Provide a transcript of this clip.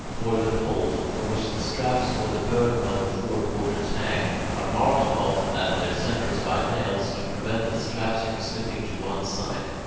For the poles, from which the straps for the burden of the four porters hang, are marked off at their centres by nails, to prevent the straps from slipping to one side.